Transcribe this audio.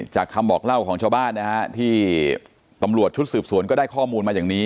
คำบอกเล่าของชาวบ้านนะฮะที่ตำรวจชุดสืบสวนก็ได้ข้อมูลมาอย่างนี้